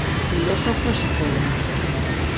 Filósofo e psicólogo.